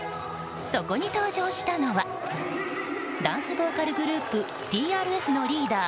そこに登場したのはダンスボーカルグループＴＲＦのリーダー